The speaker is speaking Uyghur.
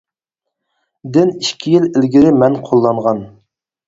دىن ئىككى يىل ئىلگىرى مەن قوللانغان.